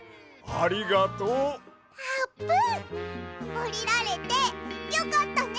おりられてよかったね！